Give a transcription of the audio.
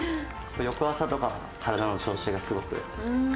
翌朝とか体の調子がすごくいい。